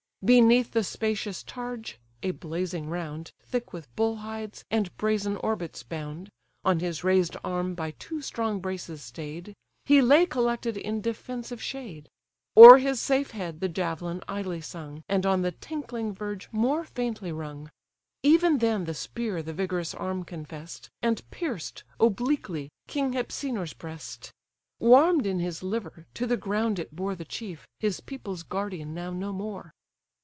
Beneath the spacious targe, (a blazing round, Thick with bull hides and brazen orbits bound, On his raised arm by two strong braces stay'd,) He lay collected in defensive shade. O'er his safe head the javelin idly sung, And on the tinkling verge more faintly rung. Even then the spear the vigorous arm confess'd, And pierced, obliquely, king Hypsenor's breast: Warm'd in his liver, to the ground it bore The chief, his people's guardian now no more!